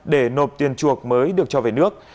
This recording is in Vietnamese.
để nộp tiền chuộc mới được cho về nước